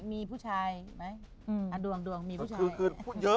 มีผู้ชายไหมอ่ะดวงมีผู้ชาย